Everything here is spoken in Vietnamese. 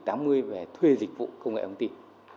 để thuê dịch vụ công nghệ thông tin